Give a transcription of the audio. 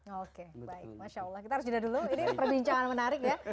oke baik masya allah kita harus jeda dulu ini perbincangan menarik ya